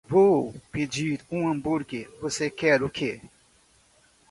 Vou pedir um hambúrger. Você quer o quê?